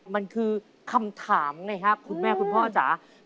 มันคือคำถามไงครับคุณแม่คุณพ่อจ๋า